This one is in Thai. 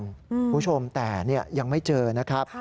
คุณผู้ชมแต่ยังไม่เจอนะครับ